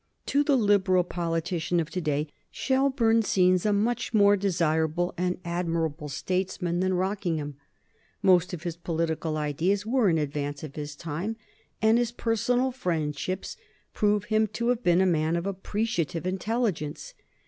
To the Liberal politician of to day Shelburne seems a much more desirable and admirable statesman than Rockingham. Most of his political ideas were in advance of his time, and his personal friendships prove him to have been a man of appreciative intelligence.